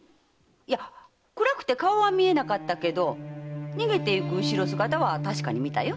いや暗くて顔は見えなかったけど逃げていく後ろ姿は確かに見たよ。